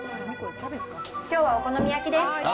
きょうはお好み焼きです。